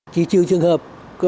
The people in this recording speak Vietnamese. chỉ trừ trường hợp